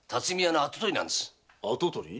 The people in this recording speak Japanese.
跡取り？